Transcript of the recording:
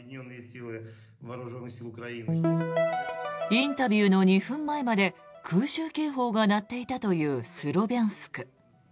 インタビューの２分前まで空襲警報が鳴っていたというスロビャンスク。